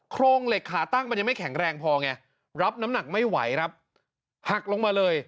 โครงเหล็กขาตั้งมันยังไม่แข็งแรงพอไงรับน้ำหนักไม่ไหวครับหักลงมาเลย